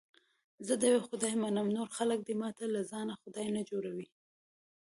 زه د یوه خدای منم، نور خلک دې ماته له ځانه خدای نه جوړي.